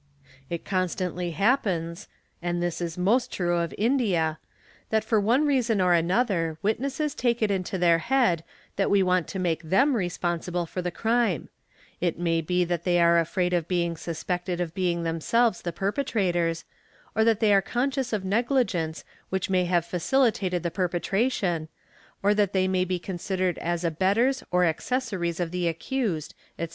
It constantly happens—and this is most true of India—that for one Treason or another witnesses take it into their head that we want to make 'them responsible for the crime; it may be that they are afraid of being suspected of being themselves the perpetrators, or that they are conscious AS ERE Beye as iittala ict Looe = ogee : negligence which may have facilitated the perpetration, or that they . be considered as abettors or accessories of the accused, &c.